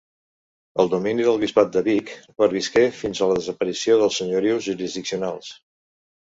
El domini del bisbat de Vic pervisqué fins a la desaparició dels senyorius jurisdiccionals.